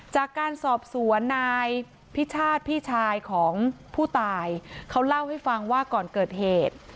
จากการสอบสวนนายพิชาติพี่ชายของผู้ตายเขาเล่าให้ฟังว่าก่อนเกิดเหตุ